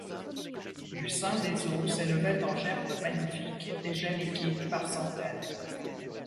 Du sein des eaux s’élevaient en gerbes magnifiques des jets liquides par centaines.